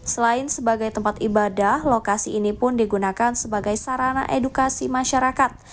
selain sebagai tempat ibadah lokasi ini pun digunakan sebagai sarana edukasi masyarakat